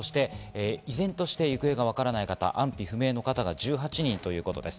依然として行方がわからない方、安否不明の方が１８人ということです。